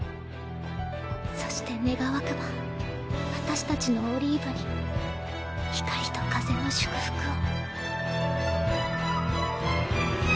そして願わくば私たちのオリーブに光と風の祝福を。